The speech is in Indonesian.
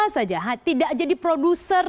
saja tidak jadi produser